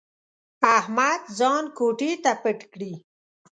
احمد ځان کوټې ته پټ کړي.